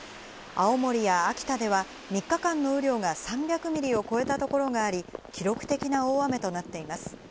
青森や秋田では３日間の雨量が３００ミリを超えたところがあり、記録的な大雨となっています。